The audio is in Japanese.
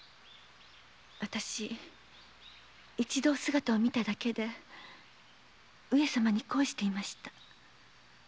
わたし一度お姿を見ただけで上様に恋していました。